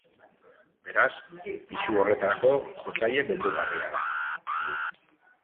Beraz, pisu horretarako jotzaile beldurgarria da.